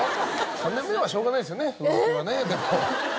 ３年目はしょうがないですよね浮気はねでも。